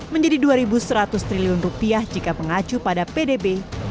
menjadi rp dua seratus triliun jika mengacu pada pdb dua ribu tujuh belas